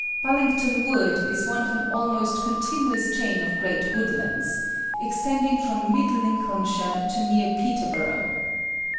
Bullington Wood is one of an almost continuous chain of great woodlands, extending from Mid Lincolnshire to near Peterborough.